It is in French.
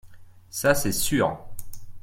Ça c’est sûr